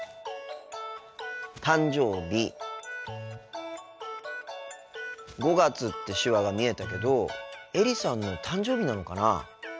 「誕生日」「５月」って手話が見えたけどエリさんの誕生日なのかな？